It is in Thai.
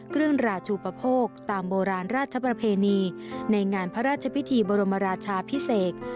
ราชูปโภคตามโบราณราชประเพณีในงานพระราชพิธีบรมราชาพิเศษ